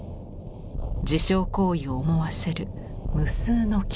自傷行為を思わせる無数の傷。